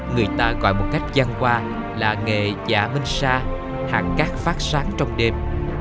người ta gọi một cách văn qua là nghệ giả minh sa hạng cát phát sáng trong đêm